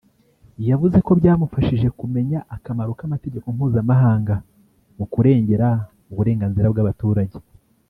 yavuze ko byamufashije kumenya akamaro k’amategeko mpuzamahanga mu kurengera uburenganzira bw’abaturage